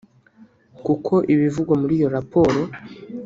kuko ibivugwa muri iyo raporo